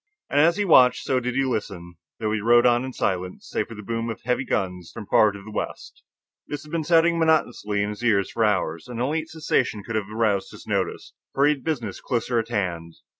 And as he watched, so did he listen, though he rode on in silence, save for the boom of heavy guns from far to the west. This had been sounding monotonously in his ears for hours, and only its cessation could have aroused his notice. For he had business closer to hand.